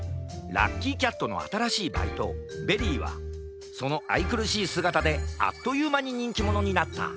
ラッキーキャットのあたらしいバイトベリーはそのあいくるしいすがたであっというまににんきものになった。